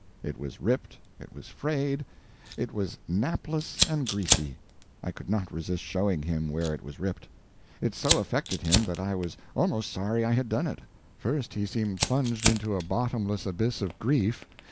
It was ripped, it was frayed, it was napless and greasy. I could not resist showing him where it was ripped. It so affected him that I was almost sorry I had done it. First he seemed plunged into a bottomless abyss of grief.